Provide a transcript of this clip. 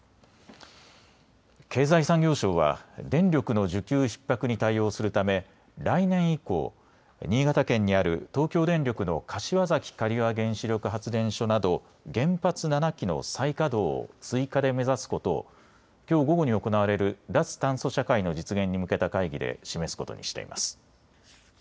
経済産業省は電力の需給ひっ迫に対応するため来年以降、新潟県にある東京電力の柏崎刈羽原子力発電所など原発７基の再稼働を追加で目指すことをきょう午後に行われる脱炭素社会の実現に向けた会議で示すことにしています。